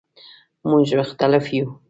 مونږ مختلف یو